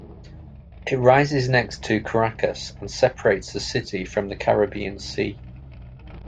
It rises next to Caracas and separates the city from the Caribbean Sea.